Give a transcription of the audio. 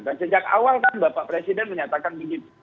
dan sejak awal bapak presiden menyatakan